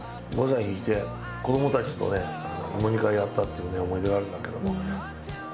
ゴザ敷いて子どもたちとね芋煮会やったっていう思い出があるんだけども。